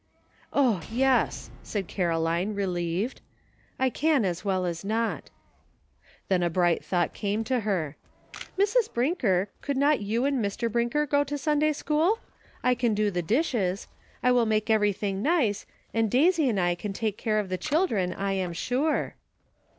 "O, yes!" said Caroline, relieved, "I can as well as not." Then a briorht thougjht came to her. "Mrs. Brinker, could not you and Mr^ Brinker go to Sunday school? I can do the dishes. I will make everything nice, and Daisy and I can take care of the children, I am sure."